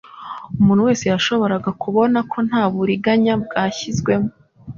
umuntu wese yashoboraga kubona ko nta buriganya bwashyizwemo.